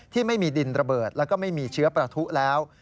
ที่มีดินระเบิดแล้วก็ไม่มีเชื้อประทุแล้ว